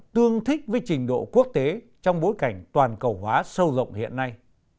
tương thích với trình độ quốc tế trong bối cảnh toàn cầu hóa sâu rộng hiện nay